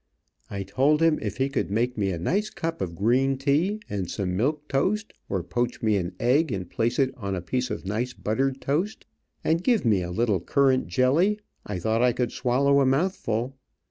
I told him if he could make me a nice cup of green tea, and some milk toast, or poach me an egg and place it on a piece of nice buttered toast, and give me a little currant jelly, I thought I could swallow a mouthful.